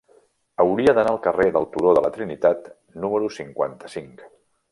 Hauria d'anar al carrer del Turó de la Trinitat número cinquanta-cinc.